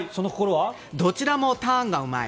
どちらもターンがうまい。